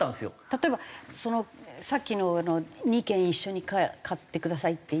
例えばさっきの２軒一緒に買ってくださいっていうのが。